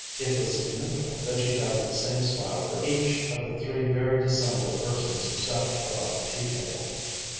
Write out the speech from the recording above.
It was significant that she had the same smile for each of the three very dissimilar persons who sat about the tea table.